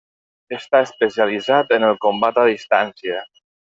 Està especialitzat en el combat a distància.